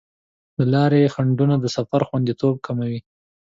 د لارې خنډونه د سفر خوندیتوب کموي.